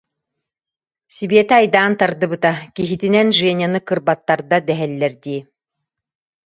Сибиэтэ айдаан тардыбыта, киһитинэн Женяны кырбаттарда дэһэллэр дии